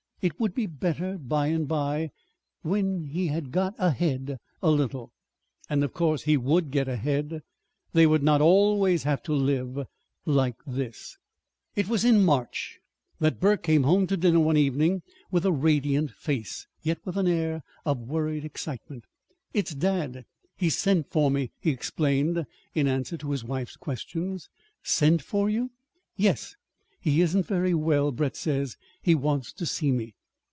It would be better by and by, when he had got ahead a little. And of course he would get ahead. They would not always have to live like this! It was in March that Burke came home to dinner one evening with a radiant face, yet with an air of worried excitement. "It's dad. He's sent for me," he explained, in answer to his wife's questions. "Sent for you!" "Yes. He isn't very well, Brett says. He wants to see me."